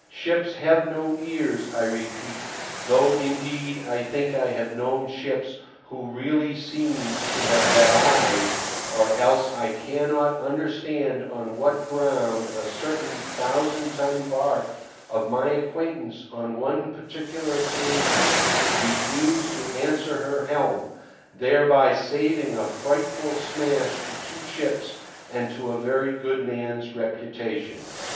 Ships have no ears, I repeat, though, indeed, I think I have known ships who really seemed to have had eyes, or else I cannot understand on what ground a certain 1,000 ton barque of my acquaintance on one particular occasion refused to answer her helm, thereby saving a frightful smash to two ships and to a very good man's reputation.